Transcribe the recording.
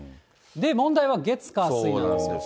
問題は月、火、そうなんです。